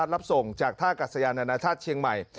แล้วท่ากัสยานหนภ